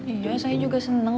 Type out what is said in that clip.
iya saya juga seneng